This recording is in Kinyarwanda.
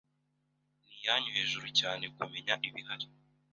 ni iyanyu hejuru cyane Kumenya ibihari